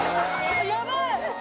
やばい。